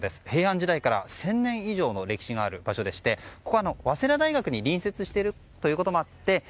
平安時代から１０００年以上の歴史がある場所でしてここは早稲田大学に隣接しているということもあって